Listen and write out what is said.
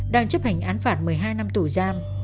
đang chấp hành án phạt một mươi hai năm tù giam